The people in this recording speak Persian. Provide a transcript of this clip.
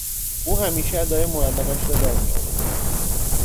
او همیشه ادای معلمش را در میآورد.